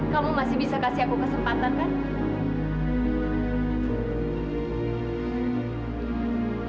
kamu masih bisa kasih aku kesempatan kan